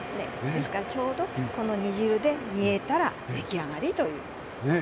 ですからちょうどこの煮汁で煮えたら出来上がりという。